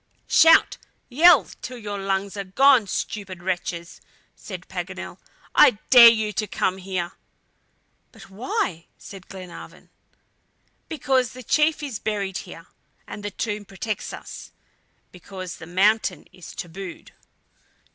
"Shout! yell! till your lungs are gone, stupid wretches!" said Paganel. "I dare you to come here!" "But why?" said Glenarvan. "Because the chief is buried here, and the tomb protects us, because the mountain is tabooed."